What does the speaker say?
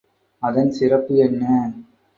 அதன் சிறப்பு என்ன?